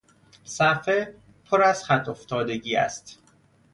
صفحه پر از خط افتادگی است.